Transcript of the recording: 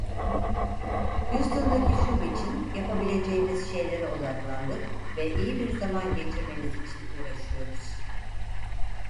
Houston'daki şov için yapabileceğimiz şeylere odaklandık ve iyi bir zaman geçirmeniz için uğraşıyoruz.